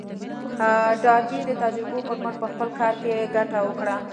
ډاربي د تجربو پر مټ په خپل کار کې ګټه وکړه.